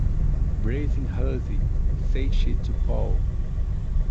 “Brazen hussy!” said she to Paul.